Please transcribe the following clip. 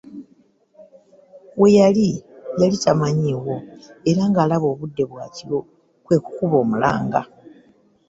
Weyali yali tamanyiiwo era ng'alaba obudde bwa kiro kwe kukuba omulanga.